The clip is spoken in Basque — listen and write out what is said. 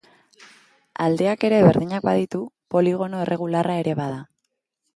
Aldeak ere berdinak baditu, poligono erregularra ere bada.